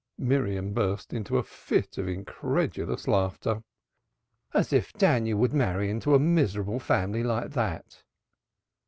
Miriam burst into a fit of incredulous laughter. "As if Daniel would marry into a miserable family like that!"